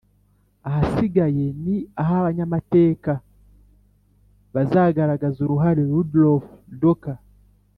ahasigaye ni ah'abanyamateka bazagaragaza uruhare rudolf docker